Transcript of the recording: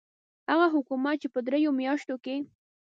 هغه حکومت چې په دریو میاشتو کې.